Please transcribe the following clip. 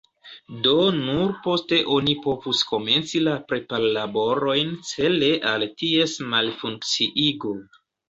Do nur poste oni povus komenci la preparlaborojn cele al ties malfunkciigo.